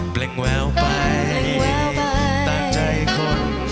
เปล่งแววไปตามใจคน